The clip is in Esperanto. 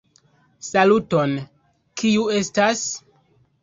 Saluton, kiu estas?